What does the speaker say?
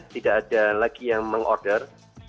tidak ada lagi yang meng order